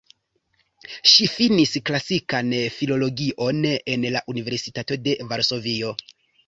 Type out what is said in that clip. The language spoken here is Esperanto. Ŝi finis klasikan filologion en la Universitato de Varsovio.